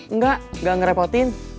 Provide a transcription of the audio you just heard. nggak nggak ngerepotin